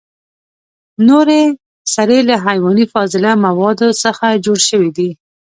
نورې سرې له حیواني فاضله موادو څخه جوړ شوي دي.